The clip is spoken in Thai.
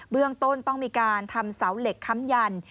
เรื่องต้นต้องมีการทำเสาเหล็กค้ำยัน